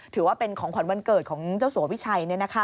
ถือว่าเป็นของขวัญวันเกิดของเจ้าสัววิชัย